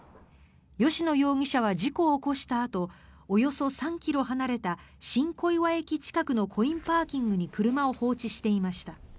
吉野容疑者は事故を起こしたあとおよそ３ｋｍ離れた新小岩駅近くのコインパーキングに車を放置していました。